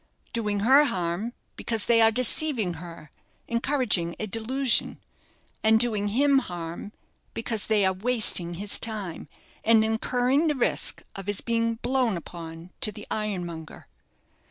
Doing her harm, because they are deceiving her, encouraging a delusion; and doing him harm, because they are wasting his time, and incurring the risk of his being 'blown upon' to the ironmonger.